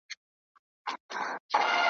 د خوښیو د مستیو ږغ له غرونو را غبرګیږي ,